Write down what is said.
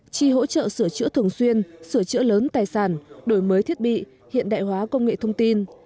chi hỗ trợ sửa chữa thường xuyên sửa chữa lớn tài sản đổi mới thiết bị hiện đại hóa công nghệ thông tin